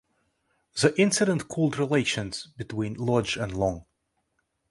The incident cooled relations between Lodge and Long.